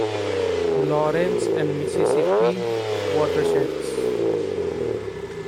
Lawrence and Mississippi watersheds.